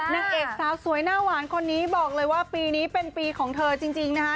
นางเอกสาวสวยหน้าหวานคนนี้บอกเลยว่าปีนี้เป็นปีของเธอจริงนะคะ